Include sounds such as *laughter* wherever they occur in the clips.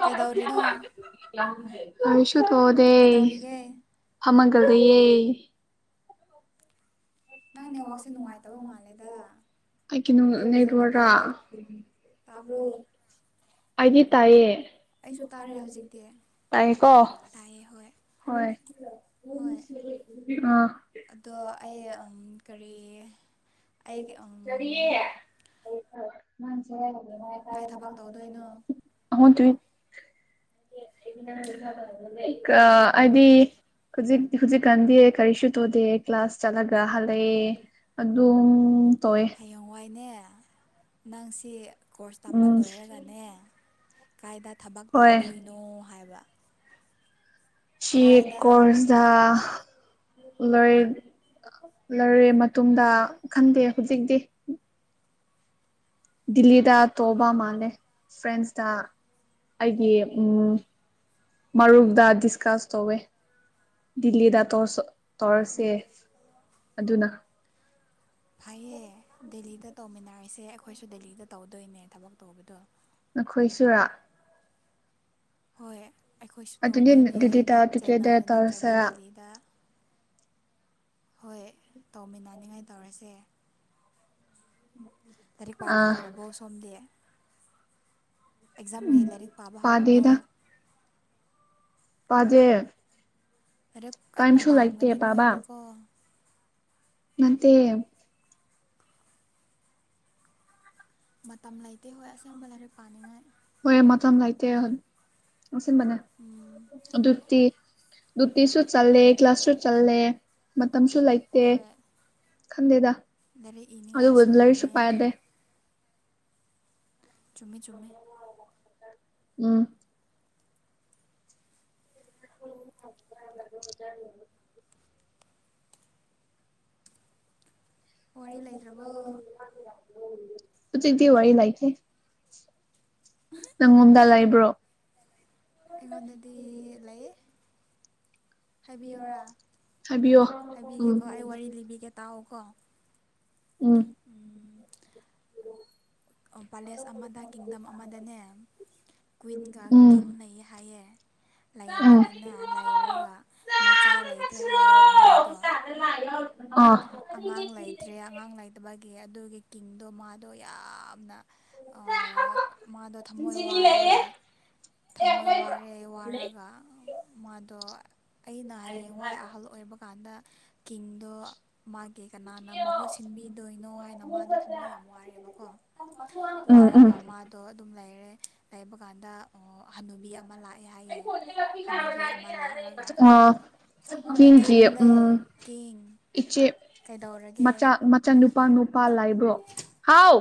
ꯀꯩꯗꯧꯔꯤꯅꯣ ꯀꯔꯤꯁꯨ ꯇꯣꯗꯦ ꯀꯩꯗꯧꯔꯤꯒꯦ ꯐꯝꯒꯥ ꯐꯥꯗꯧꯌꯦ ꯅꯪ ꯅꯦꯠꯋꯥꯛꯁꯦ ꯅꯨꯡꯉꯥꯏꯇꯕ ꯃꯥꯜꯂꯦꯗ ꯑꯩꯒꯤ ꯅꯨꯡ ꯑꯩ ꯐꯖꯅ ꯅꯦꯠꯋꯥꯔ ꯇꯥꯗꯦ ꯇꯥꯕ꯭ꯔꯣ ꯑꯩꯗꯤ ꯇꯥꯏꯌꯦ ꯑꯩꯁꯨ ꯇꯥꯔꯦ ꯍꯧꯖꯤꯛꯇꯤ ꯇꯥꯏꯀꯣ ꯇꯥꯏꯌꯦ ꯍꯣꯏ ꯍꯣꯏ ꯍꯣꯏ ꯑ ꯑꯗꯣ ꯑꯩ ꯑꯝ ꯀꯔꯤ ꯑꯩꯒꯤ ꯑꯝ ꯃꯥꯟꯁꯦ ꯍꯥꯏ ꯀꯥꯏ ꯊꯕꯛ ꯇꯧꯗꯣꯏꯅꯣ *unintelligible* ꯑꯍ ꯇꯌ꯭ꯨꯏꯟ *unintelligible* ꯀ ꯑꯥꯏꯗꯤ ꯍꯨꯖꯤꯛ ꯍꯨꯖꯤꯛꯀꯥꯟꯗꯤ ꯀꯔꯤꯁꯨ ꯇꯣꯗꯦ ꯀ꯭ꯂꯥꯁ ꯆꯠꯂꯒ ꯍꯜꯂꯛꯑꯦ ꯑꯗꯨꯝ ꯇꯧꯋꯦ ꯍꯌꯦꯡꯋꯥꯏꯅꯦ ꯅꯪꯁꯤ ꯀꯣꯔꯁ ꯇꯝꯕ ꯎꯝ ꯂꯣꯏꯔꯒꯅꯦ ꯀꯥꯏꯗ ꯊꯕꯛ ꯍꯣꯏ ꯇꯧꯗꯣꯏꯅꯣ ꯍꯥꯏꯕ ꯆꯤ ꯀꯥꯏꯗ ꯀꯣꯔꯁꯗꯥ ꯂꯣꯏꯔꯦ ꯂꯣꯏꯔꯦ ꯃꯇꯨꯡꯗ ꯈꯪꯗꯦ ꯍꯧꯖꯤꯛꯇꯤ ꯗꯤꯜꯂꯤꯗ ꯇꯣꯛꯕ ꯃꯥꯥꯟꯂꯦ ꯐ꯭ꯔꯦꯟꯁꯇ ꯑꯩꯒꯤ ꯃꯔꯨꯞꯗ ꯗꯤꯁꯀꯁ ꯇꯧꯋꯦ ꯗꯤꯜꯂꯤꯗ ꯇꯧꯔꯁꯦ ꯑꯗꯨꯅ ꯐꯩꯌꯦ ꯗꯤꯂ ꯁꯤꯗ ꯇꯧꯃꯤꯟꯅꯔꯤꯁꯦ ꯑꯩꯈꯣꯏꯁꯨ ꯗꯦꯜꯂꯤꯗ ꯇꯧꯗꯣꯏꯅꯦ ꯊꯕꯛ ꯇꯧꯕꯗꯣ ꯅꯈꯣꯏ ꯁꯨꯔꯥ ꯍꯣꯏ ꯑꯩꯈꯣꯏꯁꯨ ꯑꯗꯨꯗꯤ ꯇꯧꯗꯣꯏꯅꯦ ꯗꯤꯜꯂꯤꯗ ꯇꯨꯀꯦꯗ ꯆꯦꯟꯅꯥꯏꯗ ꯅꯠꯇ꯭ꯔꯗꯤ ꯇꯧꯔꯁꯤꯔꯥ ꯗꯦꯜꯂꯤꯗ ꯍꯣꯏ ꯇꯧꯃꯤꯟꯅꯅꯤꯡꯉꯥꯏ ꯇꯧꯔꯁꯦ ꯎꯝ ꯂꯥꯏꯔꯤꯛ ꯄꯥꯕ ꯍꯧꯔꯕꯣ ꯁꯣꯝꯗꯤ ꯑꯦꯛꯖꯥꯝꯒꯤ ꯂꯥꯏꯔꯤꯛ ꯄꯥꯕ ꯍꯧꯔꯕꯣ ꯄꯗꯦ ꯂꯥꯏꯔꯤꯛ ꯀꯟꯅ ꯄꯥꯔꯝꯒꯅꯤ ꯄꯥꯕ ꯅꯣꯏꯗꯤꯀꯣ ꯅꯠꯇꯦ ꯃ ꯃꯇꯝ ꯂꯩꯇꯦ ꯍꯣꯏ ꯑꯁꯦꯡꯕ ꯂꯥꯏꯔꯤꯛ ꯄꯥꯅꯉꯥꯏ ꯍꯣꯏ ꯃꯇꯝ ꯂꯩꯇꯦ ꯑꯣ ꯁꯤꯟꯕꯅꯦ ꯑꯗꯨꯛꯇꯤ ꯗꯨꯇꯤꯁꯨ ꯆꯠꯂꯦ ꯀ꯭ꯂ꯭ꯂꯥꯁꯁꯨ ꯆꯠꯂꯦ ꯇꯝꯁꯨ ꯂꯩꯇꯦ ꯈꯟꯗꯦꯗ ꯗꯥꯏꯔꯦꯛ ꯏꯅꯤꯡꯉꯥꯏꯁꯨ ꯌꯥꯝꯃꯦ ꯆꯨꯝꯃꯦ ꯆꯨꯝꯃꯦ ꯎꯝ *inaudible* ꯋꯥꯔꯤ ꯂꯩꯇ꯭ꯔꯕꯣ ꯍ ꯍꯨꯖꯤꯛꯇꯤ ꯋꯔꯤ ꯂꯩꯇꯦ ꯅꯪꯉꯣꯟꯗ ꯂꯩꯕ꯭ꯔꯣ ꯑꯩꯉꯣꯟꯗꯗꯤ ꯂꯩꯌꯦ ꯍꯥꯏꯕꯤꯌꯣꯔꯥ ꯍꯥꯏꯕꯤꯌꯣ ꯎꯝ ꯍꯥꯏꯕꯤꯒꯦꯀꯣ ꯑꯩ ꯋꯥꯔꯤ ꯂꯤꯕꯤꯒꯦ ꯇꯥꯛꯑꯣꯀꯣ ꯎꯝ ꯄꯦꯂꯦꯁ ꯑꯃꯗ ꯀꯤꯡꯗꯝ ꯑꯃꯗꯅꯦ ꯀꯨꯋꯏꯟꯒ ꯎꯝ ꯎꯝ ꯀꯤꯡꯒ ꯂꯩꯌꯦ ꯍꯥꯏꯌꯦ ꯑ ꯎꯝ ꯂꯩꯔꯗꯅ ꯂꯩꯔꯒ ꯃꯆꯥ ꯂꯩꯇꯦ ꯍꯥꯏꯌꯦ ꯃꯣꯏꯗꯣ ꯑꯉꯥꯡ ꯂꯩꯇ꯭ꯔꯦ ꯑꯉꯥꯡ ꯂꯩꯇꯕꯒꯤ ꯑꯗꯨꯒꯤ ꯀꯤꯡ ꯀꯤꯡꯗꯣ ꯃꯥꯗꯣ ꯌꯥꯝꯅ ꯃꯥꯗꯣ ꯊꯝꯃꯣꯏ ꯋꯥꯔꯦ ꯊꯝꯃꯣꯏ ꯋꯥꯔꯦ ꯋꯥꯔꯒ ꯃꯥꯗꯣ ꯑꯩꯅ ꯍꯌꯦꯡꯋꯥꯏ ꯑꯍꯜ ꯑꯣꯏꯕ ꯀꯥꯟꯗ ꯀꯤꯡꯗꯣ ꯃꯥꯒꯤ ꯀꯅꯥꯅ ꯃꯍꯨꯠ ꯁꯤꯟꯕꯤꯗꯣꯏꯅꯣ ꯍꯥꯏꯅ ꯃꯥꯗꯣ ꯊꯝꯃꯣꯏ ꯌꯥꯝ ꯋꯥꯔꯦꯕꯀꯣ ꯎꯝ ꯋꯥꯔꯒ ꯃꯥꯗꯣ ꯑꯗꯨꯝ ꯂꯩꯔ ꯂꯩꯕ ꯀꯥꯟꯗ ꯍꯅꯨꯕꯤ ꯑꯃ ꯂꯥꯛꯑꯦ ꯍꯥꯏꯌꯦ ꯍꯟꯅꯨꯕꯤ ꯑꯃ ꯂꯥꯛꯂꯒ ꯑꯣ ꯀꯤꯡꯒꯤ ꯀꯤꯡꯂꯦ ꯎꯝ ꯀꯤꯡ ꯏꯆꯦ ꯃꯆꯥ ꯀꯩꯗꯧꯔꯒꯦ ꯃꯆꯪ ꯅꯨꯄꯥ ꯅꯨꯄꯥ ꯂꯥꯏꯕꯣ ꯍꯥꯎ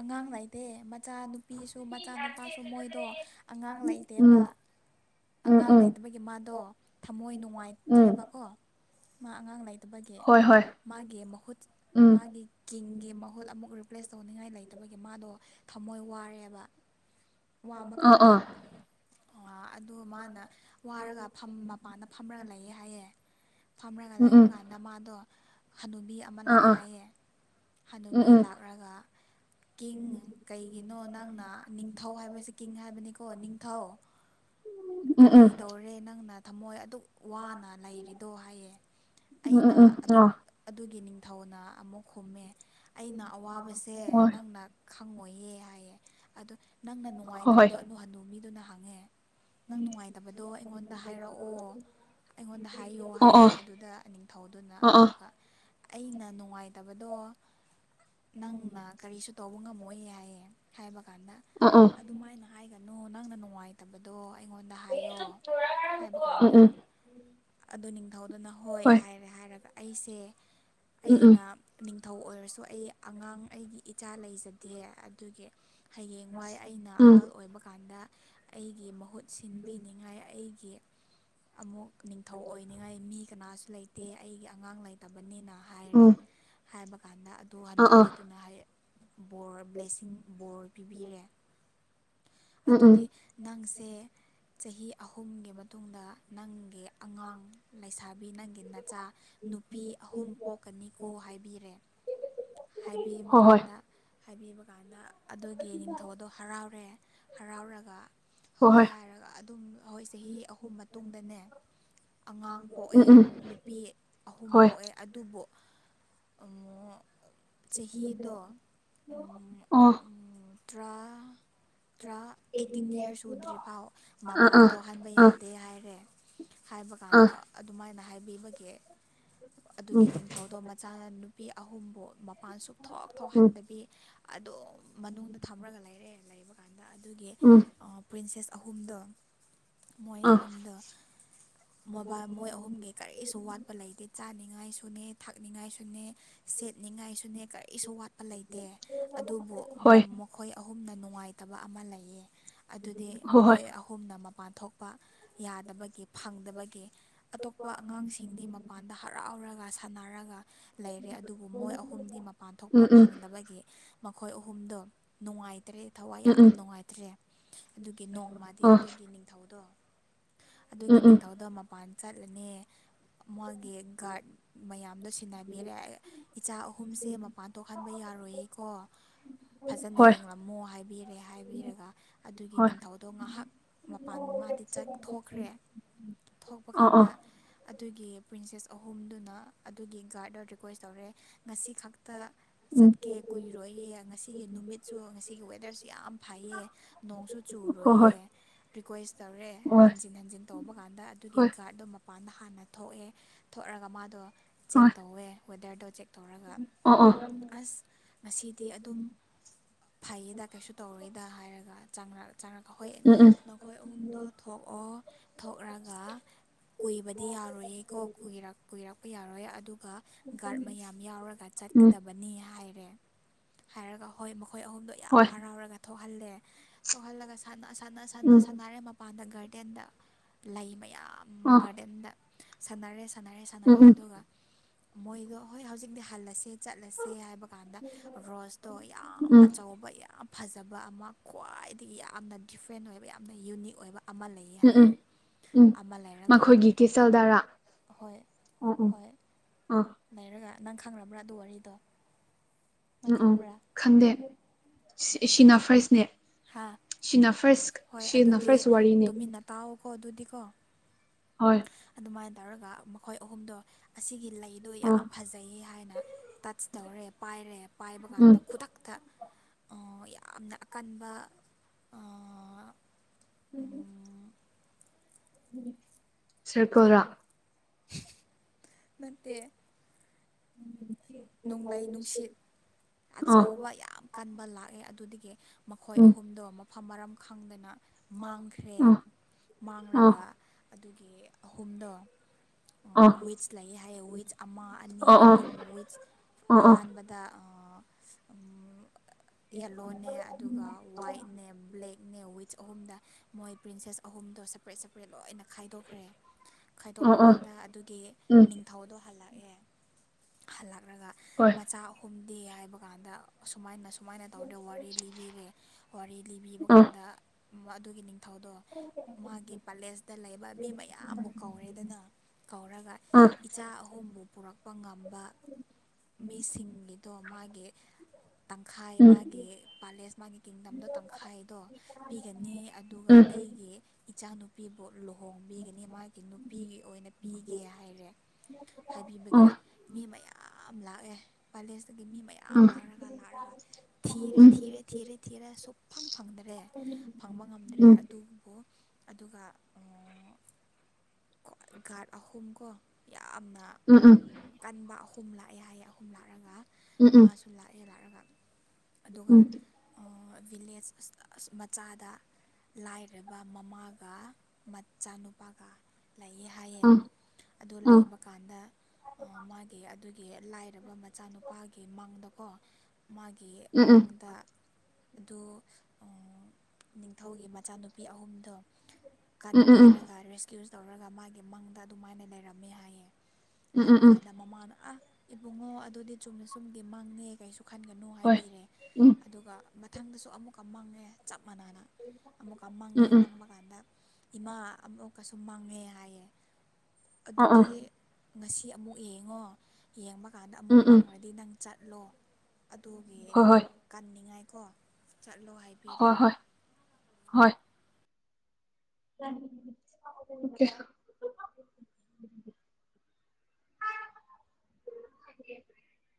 ꯑꯉꯥꯡ ꯂꯩꯇꯦ ꯃꯆꯥꯅꯨꯄꯤꯁꯨ ꯃꯆꯥꯅꯨꯄꯥꯁꯨ ꯃꯣꯏꯗꯣ ꯑꯉꯥꯡ ꯂꯩꯇꯦꯕ ꯎꯝ ꯎꯝ ꯑꯉꯥꯡ ꯎꯝ ꯂꯩꯇꯕꯒꯤ ꯃꯥꯗꯣ ꯊꯃꯣꯏ ꯎꯝ ꯅꯨꯡꯉꯥꯏꯇ꯭ꯔꯦꯕꯀꯣ ꯃꯥꯉꯥꯡ ꯉꯥꯏ ꯑꯗꯨꯒꯤ ꯍꯣꯏ ꯍꯣꯏ ꯃꯥꯒꯤ ꯃꯍꯨꯠ ꯎꯝ ꯃꯥꯒꯤ ꯀꯡꯒꯤ ꯃꯍꯨꯠ ꯑꯃꯨꯛ ꯔꯤꯄ꯭ꯂꯦꯁ ꯇꯣꯡꯅꯤꯡꯉꯥꯏ ꯂꯩꯇꯕꯒꯤ ꯃꯥꯗꯣ ꯊꯝꯃꯣꯏ ꯋꯥꯔꯦꯕ ꯋꯥꯕ ꯑꯥ ꯀꯥꯟꯗ ꯑꯥ ꯑꯗꯨ ꯃꯥꯅ ꯋꯥꯔꯒ ꯃꯄꯥꯟꯗ ꯐꯝꯔꯒ ꯂꯩꯌꯦ ꯍꯥꯏꯌꯦ ꯐꯝꯔꯒ ꯎꯝ ꯂꯩꯕ ꯎꯝ ꯀꯥꯟꯗ ꯃꯥꯗꯣ ꯍꯅ‌‌ꯨꯕꯤ ꯑꯃ ꯑꯥ ꯂꯥꯛꯑꯦ ꯑꯥ ꯍꯥꯏꯌꯦ ꯎꯝ ꯍꯅꯕꯤ ꯎꯝ ꯂꯥꯛꯂꯒ ꯀꯤꯡ ꯀꯩꯒꯤꯅꯣ ꯅꯪꯅ ꯅꯤꯡꯊꯧ ꯍꯥꯏꯕꯁꯦ ꯀꯤꯡ ꯀꯤꯡꯗꯝꯡ ꯍꯥꯏꯕꯅꯤꯀꯣ ꯅꯤꯡꯊꯧ ꯎꯝ ꯀꯔꯤ ꯎꯝ ꯇꯧꯔꯦ ꯅꯪꯅ ꯊꯝꯃꯣꯏ ꯑꯗꯨ ꯋꯥꯅ ꯂꯩꯔꯤꯗꯣ ꯍꯥꯏꯌꯦ ꯎꯝ ꯎꯝ ꯎꯝ ꯑꯩꯅ ꯑꯥ ꯑꯗꯨꯒꯤ ꯊꯧꯅ ꯑꯃꯨꯛ ꯍꯨꯝꯃꯦ ꯑꯩꯅ ꯑꯋꯥꯕꯁꯦ ꯍꯣꯏ ꯅꯪꯅ ꯈꯪꯉꯣꯏꯌꯦ ꯍꯥꯏꯌꯦ ꯑꯗꯨꯗ ꯅꯪꯅ ꯍꯣꯏ ꯍꯣꯏ ꯅꯨꯡꯉꯥꯏꯇꯕꯗꯣ ꯑꯅꯨ ꯍꯅꯨ ꯃꯤꯗꯨꯅ ꯍꯥꯡꯉ ꯅꯪ ꯅꯨꯡꯉꯥꯏꯇꯕꯗꯣ ꯑꯩꯉꯣꯟꯗ ꯍꯥꯏꯔꯛꯑꯣ ꯑꯩꯉꯣꯟꯗ ꯍꯥꯏꯌꯣ ꯑꯥ ꯍꯥꯏꯌꯦ ꯑꯥ ꯑꯗꯨꯗ ꯅꯤꯡꯊꯧꯗꯨꯅ ꯑꯥ ꯑꯃꯨꯛꯀ ꯑꯩꯅ ꯅꯨꯡꯉꯥꯏꯇꯕꯗꯣ ꯅꯪꯅ ꯀꯔꯤꯁꯨ ꯇꯧꯕ ꯉꯝꯃꯣꯏꯏꯌꯦ ꯍꯥꯏꯌꯦ ꯍꯥꯏꯕ ꯀꯗ ꯑꯥ ꯑꯥ ꯑꯥ ꯑꯗꯨꯃꯥꯏꯅ ꯍꯥꯏꯒꯅꯤ ꯅꯣ ꯅꯪꯅ ꯅꯨꯡꯉꯥꯏꯇꯕꯗꯣ ꯑꯩꯉꯣꯟꯗ ꯍꯥꯏꯌꯣ ꯍꯥꯏꯕ ꯎꯝ ꯀꯥꯟꯗ ꯎꯝ ꯑꯗꯨ ꯅꯤꯡꯊꯧꯗꯨꯅ ꯍꯣꯏ ꯍꯥꯏꯔꯦ ꯍꯥꯏꯔꯒ ꯑꯩꯁꯦ ꯎꯝ ꯎꯝ ꯑꯩꯅ ꯅꯤꯡ ꯊꯧ ꯑꯣꯏꯔꯁꯨ ꯑꯩ ꯑꯉꯥꯡ ꯑꯩꯒꯤ ꯏꯆꯥ ꯂꯩꯖꯗꯦ ꯑꯗꯨꯒꯤ ꯍꯌꯦꯡ ꯋꯥꯏ ꯑꯩꯅ ꯎꯝ ꯑꯍꯜ ꯑꯣꯏꯕ ꯀꯥꯟꯗ ꯑꯩꯒꯤ ꯃꯍꯨꯠ ꯁꯤꯟꯕꯤꯅꯤꯡꯉꯥꯏ ꯑꯩ ꯀ ꯑꯃꯨꯛ ꯅꯤꯡꯊꯧ ꯑꯣꯏꯅꯤꯡꯉꯥꯏ ꯃꯤ ꯀꯅꯥꯁꯨ ꯂꯩꯇꯦ ꯑꯩꯒꯤ ꯑꯉꯥꯡ ꯂꯩꯇꯕꯅꯤꯅ ꯑ ꯍꯥꯏꯔꯦ ꯍꯥꯏꯕ ꯀꯥ ꯅ ꯑꯗꯨ ꯍꯥꯟꯅꯨꯕꯤꯗꯨꯅ ꯍꯥꯏꯌꯦ ꯕꯣꯔ ꯕ꯭ꯂꯦꯁꯤꯡ ꯕꯣꯔ ꯄꯤꯕꯤꯔꯦ ꯎꯝ ꯎꯝ ꯑꯗꯨꯗꯤ ꯅꯪꯁꯦ ꯆꯍꯤ ꯑꯍꯨꯝꯒꯤ ꯃꯇꯨꯡꯗ ꯅꯪꯒꯤ ꯑꯉꯥꯡ ꯂꯩꯁꯥꯕꯤ ꯅꯪꯒꯤ ꯅꯆꯥ ꯅꯨꯄꯤ ꯑꯍꯨꯝ ꯄꯣꯛꯀꯅꯤꯀꯣ ꯍꯥꯏꯕꯤꯔꯦ ꯍꯥꯏꯕꯤꯃ ꯍꯣꯏ ꯍꯣꯏ ꯀꯥꯟꯗ ꯍꯥꯏꯕꯤꯕ ꯀꯥꯟꯗ ꯑꯗꯨꯒꯤ ꯅꯤꯡꯊꯧꯗꯣ ꯍꯔꯥꯎꯔꯦ ꯍꯔꯥꯎꯔꯒ ꯍꯣꯏ ꯍꯥꯏꯔꯒ ꯑꯗꯨꯝ ꯑꯩꯈꯣꯏ ꯆꯍꯤ ꯑꯍꯨꯝ ꯃꯇꯨꯡꯗꯅꯦ ꯑꯉꯥꯡ ꯎꯝ ꯄꯣꯛꯑꯦ ꯎꯝ ꯅꯨꯄꯤ ꯑꯍꯨꯝ ꯍꯣꯏ ꯄꯣꯛꯑꯦ ꯑꯗꯨꯕꯨ ꯑꯃ ꯑ ꯇꯔꯥ ꯊ꯭ꯔꯥ ꯑꯩꯠꯇꯤꯟ ꯏꯌꯥꯔꯁ ꯎꯗ꯭ꯔꯤ ꯑꯥ ꯃꯄꯥꯟ ꯑꯥ ꯊꯣꯛꯍꯟꯕ ꯑꯥ ꯌꯥꯗꯦ ꯍꯥꯏꯔꯦ ꯍꯥꯏꯕ ꯑꯥ ꯀꯥꯟꯗ ꯑꯗꯨꯃꯥꯏꯅ ꯍꯥꯏ ꯕꯤꯕꯒꯤ ꯑꯗꯨꯒꯤ ꯎꯝ ꯅꯤꯡꯊꯧꯗꯣ ꯃꯆꯥ ꯅꯨꯄꯤ ꯑꯍꯨꯝꯕꯨ ꯃꯄꯥꯟ ꯁꯨꯛ ꯊꯣꯛ ꯎꯝ ꯊꯣꯛꯍꯟꯗꯕꯤ ꯑꯗꯨ ꯃꯅꯨꯡꯗ ꯊꯝꯔꯒ ꯂꯩꯔꯦ ꯂꯩ ꯗ ꯑꯗꯨꯒꯤ ꯎꯝ ꯄ꯭ꯔꯤꯟꯁꯦꯁ ꯑꯍꯨꯝꯗ ꯃꯣꯏ ꯑꯥ ꯑꯍꯨꯝꯗꯣ ꯃꯣꯕꯥ ꯃꯣꯏ ꯑꯍꯨꯝꯒꯤ ꯀꯔꯤꯁꯨ ꯋꯥꯠꯄ ꯂꯩꯇꯦ ꯆꯥꯅꯤꯡ ꯊꯅꯦ ꯊꯛꯅꯤꯡꯉꯥꯏꯁꯨꯅꯦ ꯁꯦꯠꯅꯤꯡꯉꯥꯏꯁꯨꯅꯦ ꯀꯔꯤꯁꯨ ꯋꯥꯠ ꯂꯩꯇꯦ ꯑꯗꯨꯕꯨ ꯍꯣꯏ ꯃꯈꯣꯏ ꯑꯍꯨꯝꯅ ꯅꯨꯡꯉꯥꯏꯇ ꯐꯠꯇꯕ ꯑꯃ ꯂꯩꯌꯦ ꯑꯗꯨꯗꯤ ꯍꯣꯏ ꯍꯣꯏ ꯃꯈꯣꯏ ꯑꯍꯨꯝꯅ ꯄꯥꯟꯊꯣꯛꯄ ꯌꯥꯗꯕꯒꯤ ꯐꯪꯗꯕꯒꯤ ꯑꯇꯣꯞꯄ ꯑꯉꯥꯡꯁꯤꯡꯗꯤ ꯃꯄꯥꯟꯗ ꯍꯔꯥꯎꯔꯒ ꯁꯅꯔꯒ ꯂꯩꯔꯦ ꯑꯗꯨꯕꯨ ꯃꯣꯏ ꯑꯍꯨꯝꯗꯤ ꯃꯄꯥꯟ ꯊꯣꯛꯄ ꯎꯝ ꯎꯝ ꯐꯪꯗꯕꯒꯤ ꯃꯈꯣꯏ ꯑꯍꯨꯝꯗ ꯅꯨꯡꯉꯥꯏ ꯇꯔꯦ ꯊꯋꯥꯏ ꯎꯝ ꯌꯥꯝ ꯎꯝ ꯅꯨꯡꯉꯥꯏꯇ꯭ꯔꯦ ꯀ ꯅꯣꯡꯃꯗꯤ ꯑꯥ ꯑꯗꯨꯒꯤ ꯅꯤꯡꯊꯧꯗꯣ ꯑꯗꯨꯒꯤ ꯎꯝ ꯎꯝ ꯅꯤꯡꯊꯧꯗ ꯃꯄꯥꯟ ꯆꯠꯂꯅꯦ ꯃꯥꯒꯤ ꯒꯥꯔꯗ ꯃꯌꯥꯝꯗꯣ ꯁꯤꯟꯅꯕꯤꯔꯦ ꯏꯆꯥ ꯑꯍꯨꯝꯁꯦ ꯃꯄꯥꯟ ꯊꯣꯛꯍꯟꯕ ꯌꯥꯔꯣꯏꯌꯦꯀꯣ ꯐꯖꯅ ꯍꯣꯏ ꯌꯦꯡꯂꯝꯃꯣ ꯍꯥꯏꯕꯤꯔꯦ ꯍꯥꯏꯕꯤꯔꯒ ꯑꯗꯨꯒꯤ ꯍꯣꯏ ꯑꯗꯣ ꯉꯥꯏꯍꯥꯛ ꯃꯄꯥꯟ ꯃꯥꯗꯤ ꯊꯣꯛꯈ꯭ꯔꯦ ꯊꯣꯛꯄ ꯑꯥ ꯑꯥ ꯀꯥꯟꯗ ꯑꯗꯨꯒꯤ ꯄ꯭ꯔꯤꯟꯁꯦꯁ ꯑꯍꯨꯝꯗꯨꯅ ꯑꯗꯨꯒꯤ ꯒꯥꯔꯗ ꯔꯤꯀ꯭ꯋꯦꯁ ꯇꯧꯔꯦ ꯉꯁꯤ ꯈꯛꯇ ꯎꯝ ꯆꯠꯀꯦ ꯀꯨꯏꯔꯣꯏꯌꯦ ꯉꯁꯤꯒꯤ ꯅꯨꯃꯤꯠꯁꯨ ꯉꯁꯤꯒꯤ ꯋꯦꯗꯔꯁꯨ ꯌꯥꯝ ꯐꯩꯌꯦ ꯅꯣꯡꯁꯨ ꯍꯣꯏ ꯍꯣꯏ ꯆꯨꯔꯣꯏꯌꯦꯦ ꯔꯤꯀ꯭ꯋꯦꯁ ꯇꯧꯔꯦ ꯍꯣꯏ ꯍꯟꯖꯤꯟ ꯍꯟꯖꯤꯟ ꯇꯧꯕ ꯀꯥꯟꯗ ꯑꯗꯨꯒꯤ ꯍꯣꯏ ꯒꯥꯔꯗꯣ ꯃꯄꯥꯅ ꯍꯥꯟꯅ ꯊꯣꯛꯑꯦ ꯊꯣꯛꯑꯒ ꯃꯥꯗꯣ ꯆꯦꯛ ꯍꯣꯏ ꯇꯧꯋꯦ ꯍꯋꯗꯔꯗꯣ ꯆꯦꯛ ꯇꯧꯔꯒ ꯑꯣ ꯑꯣ ꯑꯁ ꯉꯁꯤꯗꯤ ꯑꯗꯨꯝ ꯐꯩꯌꯦꯗ ꯀꯩꯁꯨ ꯇꯧꯔꯦ ꯗ ꯍꯥꯏꯔꯒ ꯆꯥꯡꯉꯛ ꯆ ꯍꯣꯏ ꯎꯝ ꯎꯝ ꯅꯈꯣꯏ ꯑꯍꯨꯝꯗꯣ ꯊꯣꯛꯑꯣ ꯊꯣꯛꯑꯒ ꯀꯨꯏꯕꯗꯤ ꯌꯥꯔꯣꯏꯌꯦꯀꯣ ꯀꯨꯏꯔꯄ ꯌꯥꯔꯣꯏ ꯑꯗꯨ ꯒꯥꯔꯗ ꯃꯌꯥꯝ ꯌꯥꯎꯔꯒ ꯎꯝ ꯆꯠꯀꯗꯕꯅꯤ ꯍꯥꯏꯔꯦ ꯍꯔꯒꯥ ꯍ ꯃ ꯑꯩꯈꯣꯏ ꯑꯍꯨꯝꯗꯣ ꯌꯥꯝ ꯍꯣꯏ ꯍꯔꯥꯎꯔꯒ ꯊꯣꯛꯍꯜꯂꯦ ꯇꯧꯍꯜꯂꯒ ꯁꯥꯟꯅ ꯁꯥꯟꯅ ꯎꯝ ꯁꯥꯟꯅꯔꯦ ꯃꯄꯥꯟꯗꯒꯤ ꯒꯥꯔꯗꯦꯟꯗ ꯂꯩ ꯃꯌꯥꯝ ꯌꯥꯝꯝ ꯑ ꯀꯗ ꯁꯥꯟꯅꯔꯦ ꯁꯥꯟꯅꯔꯦ ꯎꯝ ꯁꯥꯟꯅꯔꯦ ꯎꯝ ꯑꯗꯨꯒ ꯃꯣꯏꯒ ꯍꯣꯏ ꯍꯧꯖꯤꯛꯇꯤ ꯍꯜꯂꯁꯤꯦ ꯆꯠꯂꯁꯦ ꯍꯥꯏꯕ ꯀꯥꯟꯗ ꯔꯣꯁꯇꯣ ꯌꯥꯝ ꯎꯝ ꯑꯆꯧꯕ ꯌꯥꯝ ꯐꯖꯕ ꯑꯃ ꯈ꯭ꯋꯥꯏ ꯑꯗꯒꯤ ꯌꯥꯝꯅ ꯗꯤꯐ꯭ꯔꯦꯟ ꯑꯣꯏꯕ ꯌꯥꯝꯅ ꯌꯨꯅꯤꯛ ꯑꯣꯏꯕ ꯑꯃ ꯂꯩꯌꯦ ꯎꯝ ꯎꯝ ꯍꯥꯏꯌꯦ ꯎꯝ ꯑꯃ ꯂꯩꯔꯒ ꯃꯈꯣꯏꯒꯤ ꯀꯤꯆꯜꯗꯔꯥ ꯍꯣꯏ ꯑꯣ ꯎꯝ ꯍꯣꯏ ꯑꯥ ꯂꯩꯔꯒ ꯅꯪ ꯈꯪꯕ꯭ꯔꯥ ꯑꯗꯨ ꯋꯥꯔꯤꯗꯣ ꯅꯪ ꯎꯝ ꯎ ꯈꯪꯕ꯭ꯔꯥ ꯈꯪꯗꯦ ꯁꯤꯅ ꯐꯥꯔꯁꯅꯦ ꯍꯥ ꯁꯤꯅꯥ ꯐꯔꯦꯁ ꯁꯤ ꯅꯐꯔꯦꯁ ꯋꯥꯔꯤꯅꯤ ꯑꯣꯗꯨꯗꯤꯀꯣ ꯍꯣꯏ ꯑꯗꯨꯃꯥꯏꯅ ꯇꯧꯔꯒ ꯃꯈꯣꯏ ꯑꯍꯨꯝꯗꯣ ꯑꯁꯤꯒꯤ ꯂꯩ ꯤꯗꯣ ꯑꯥ ꯌꯥꯝ ꯐꯖꯩ ꯍꯥꯏꯅ ꯇꯆ ꯇꯧꯔꯦ ꯄꯥꯏꯔꯦ ꯄꯥꯏꯕ ꯎꯝ ꯀꯥꯟꯗ ꯈꯨꯗꯛꯇ ꯌꯥꯝꯅ ꯑꯀꯟꯕ ꯑꯑ ꯁꯔꯀꯂꯥ ꯅꯠꯇ ꯎꯝ ꯅꯣꯡꯂꯩ ꯅꯨꯡꯁꯤꯠ ꯑꯥ ꯑꯆꯧꯕ ꯌꯥꯝ ꯀꯟꯕ ꯂꯥꯛꯑꯦ ꯑꯗꯨꯗꯒꯤ ꯃꯈꯣꯏ ꯎꯝ ꯑꯍꯨꯝꯗꯣ ꯑꯃꯨꯛ ꯃꯐꯝꯝ ꯃꯔꯝ ꯈꯪꯗꯅ ꯃꯥꯡꯈ꯭ꯔꯦ ꯑꯥ ꯑꯥ ꯃꯥꯡꯂꯒ ꯑꯗꯨꯒꯤ ꯑꯍꯨꯝꯗꯣ ꯑꯥ ꯑꯥ ꯋꯤꯠꯁ ꯂꯩ ꯍꯥꯏꯌꯦ ꯋꯤꯠꯁ ꯑꯃ ꯑꯅꯤ ꯑꯥ ꯑꯍꯨꯝ ꯋꯤ ꯑꯥ ꯑꯥ ꯑꯍꯥꯟꯕꯗ ꯌꯦꯂꯣꯅꯦ ꯑꯗꯨꯒ ꯋꯥꯏꯠꯅꯦ ꯕ꯭ꯂꯦꯛ ꯅ ꯋꯤꯠꯁ ꯑꯍꯨꯝꯗ ꯃꯣꯏ ꯄ꯭ꯔꯤꯟꯁꯦꯁ ꯑꯍꯗꯣ ꯁꯄꯔꯦꯠ ꯁꯄꯔꯦꯠ ꯂꯣꯏꯅ ꯈꯥꯏꯗꯣꯛꯈ꯭ꯔꯦ ꯈꯥꯏꯗꯣꯛꯄ ꯑꯥ ꯑꯥ ꯀꯥꯟꯗ ꯑꯗꯨꯒꯤ ꯎꯝ ꯅꯤꯡꯊꯧꯗꯣ ꯍꯜꯂꯛꯦ ꯑꯦ ꯍꯂ ꯅ꯭ꯔꯒ ꯍꯣꯏ ꯃꯆꯥ ꯑꯍꯨꯝ ꯗꯦ ꯍꯥꯏꯕ ꯀꯥꯟꯗ ꯑꯁꯨꯃꯥꯏꯅꯨꯝ ꯁꯨꯃꯥꯏꯅ ꯇꯧꯗꯦ ꯋꯥꯔꯤ ꯂꯤꯕꯤꯔꯦ ꯋꯥꯔꯤ ꯂꯤꯕꯤꯕ ꯑꯥ ꯀꯥꯟꯗ ꯑꯗꯨꯒꯤ ꯅꯤꯡ ꯃꯊꯧꯗꯣ ꯃꯥꯒꯤ ꯄꯦꯂꯦꯁꯇ ꯂꯩꯕ ꯃꯤ ꯃꯌꯥꯝꯕꯨ ꯀꯧꯔꯦꯗꯅ ꯀꯧꯔꯒ ꯑꯥ ꯏꯆꯥ ꯑꯍꯨꯝꯕꯨ ꯄꯨꯔꯛ ꯄ ꯉꯝꯕ ꯃꯤꯁꯤꯡꯒꯤꯗꯣ ꯃꯥꯒꯤ ꯇꯪꯈꯥꯏ ꯎꯝ ꯃꯥꯒꯤ ꯄꯥꯂꯦꯁ ꯃꯥꯒꯤ ꯀꯤꯡꯗꯝꯗꯣ ꯇꯪꯈꯥꯏꯗꯣ ꯄꯤꯒꯅꯤ ꯑꯗꯨꯒ ꯎꯝ ꯑꯩꯒꯤ ꯏꯆꯥꯅꯨꯄꯤ ꯣꯠꯂꯣ ꯍꯣꯡꯕꯤꯒꯅꯤ ꯃꯥꯒꯤ ꯅꯨꯄꯤꯒꯤ ꯑꯣꯏꯅ ꯄꯤꯒꯦ ꯍꯥꯏꯔꯦ ꯑꯥ ꯍꯥꯏꯕꯤꯕꯒꯤꯦ ꯃꯤ ꯃꯌꯥꯝ ꯂꯥꯛꯑꯦ ꯀꯦꯂꯦꯖꯇꯒꯤ ꯃꯤ ꯃꯌꯥꯝ ꯑꯥ ꯂꯥꯛꯂꯒ ꯂꯥꯛꯑꯒ ꯊꯤꯔꯦ ꯎꯝ ꯊꯤꯔꯦ ꯊꯤꯔꯦ ꯊꯤꯔꯦ ꯁꯨꯛꯐꯪ ꯐꯪꯗ꯭ꯔꯦ ꯐꯪꯕ ꯉꯝꯗ꯭ꯔꯦ ꯎꯝ ꯑꯗꯨꯕꯨ ꯑꯗꯨꯒ ꯀꯣ ꯒꯥꯥꯔꯗ ꯑꯍꯨꯝ ꯀꯣ ꯌꯥꯝꯅ ꯎꯝ ꯎꯝ ꯀꯟꯕ ꯑꯍꯨꯝ ꯂꯥꯛꯑꯦ ꯍꯥꯏꯌꯦ ꯑꯍꯨꯝ ꯂꯥꯛꯂꯒ ꯎꯝ ꯃꯥꯁꯨ ꯂꯥꯛꯑꯦ ꯂꯥꯛꯑꯒ ꯎꯝ ꯑꯗꯨꯒ ꯎꯝ ꯚꯤꯂꯦꯖ ꯃꯆꯥꯗ ꯂꯥꯏꯔꯕ ꯃꯃꯥꯒ ꯃꯆꯥꯅꯨꯄꯥꯒ ꯂꯩꯌꯦ ꯍꯥꯏꯌꯦ ꯑꯥ ꯑꯗꯨ ꯑꯥ ꯂꯩꯕ ꯀꯥꯟꯗ ꯃꯥꯒꯤ꯫ ꯑꯗꯨꯒꯤ ꯂꯥꯏꯔꯕ ꯃꯆꯥꯅꯨꯄꯥꯒꯤ ꯃꯪꯗꯀꯣ ꯃꯥꯒꯤ ꯎꯝ ꯎꯝ ꯃꯪꯗ ꯑꯣ ꯅꯤꯡꯊꯧꯒꯤ ꯃꯆꯥꯅꯨꯄꯤ ꯑꯍꯨꯝꯗꯣ ꯎꯝ ꯎꯝ ꯀꯟꯕꯤꯔꯒ ꯔꯦꯁꯀ꯭ꯌꯨ ꯇꯧꯔꯒ ꯃꯥꯒꯤ ꯃꯪꯗ ꯑꯗꯨꯃꯥꯏꯅ ꯂꯩꯔꯝꯃꯦ ꯍꯥꯏꯌꯦ ꯎꯝ ꯎꯝ ꯎꯝ ꯍꯥꯏꯕ ꯎꯝ ꯀꯥꯟꯗ ꯃꯃꯥꯅ ꯑꯥ ꯏꯕꯨꯡꯉꯣ ꯑꯗꯨꯗꯤ ꯆꯨꯝꯅ ꯆꯨꯝꯗꯤ ꯃꯪꯉ ꯀꯩꯁꯨꯨꯝ ꯈꯟꯒꯅꯨ ꯍꯣꯏ ꯍꯥꯏꯕꯤꯔꯦ ꯎꯝ ꯑꯗꯨꯒ ꯃꯊꯪꯗꯁꯨ ꯑꯃꯨꯛꯀ ꯃꯪꯉꯦ ꯆꯞ ꯃꯅꯥꯅ ꯑꯃꯨꯛ ꯎꯝ ꯑꯃꯪꯉꯦ ꯎꯝ ꯑꯃꯪꯕ ꯀꯥꯟꯗ꯫ ꯏꯃꯥ ꯑꯃꯨꯛꯀꯁꯨꯨꯝ ꯃꯥꯡꯉꯦ ꯍꯥꯏꯌꯦ ꯑꯥ ꯑꯥ ꯑꯗꯨꯗꯤ ꯉꯁꯤ ꯑꯃꯨꯛ ꯌꯦꯡꯉꯣ ꯌꯦꯃ ꯀꯀꯥꯟꯗ ꯑꯃꯨꯛ ꯎꯝ ꯎꯝ ꯃꯥꯡꯉꯔꯗꯤ ꯅꯪ ꯆꯠ ꯂꯣ ꯑꯗꯨꯒꯤ ꯍꯣꯏ ꯍꯣꯏ ꯀꯟꯅꯤꯡꯉꯥꯏ ꯀꯣ ꯆꯠꯂꯣ ꯍꯥꯏꯕꯤꯔꯦ ꯍꯣꯏ ꯍꯣꯏ ꯍꯣꯏ *inaudible*